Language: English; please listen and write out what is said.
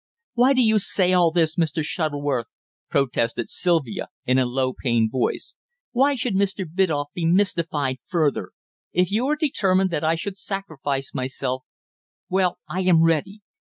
"Why do you say all this, Mr. Shuttleworth?" protested Sylvia in a low, pained voice. "Why should Mr. Biddulph be mystified further? If you are determined that I should sacrifice myself well, I am ready.